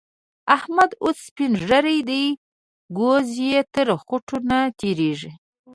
احمد اوس سپين ږير دی؛ ګوز يې تر خوټو نه تېرېږي.